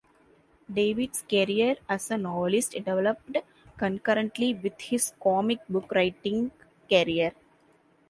David's career as a novelist developed concurrently with his comic book writing career.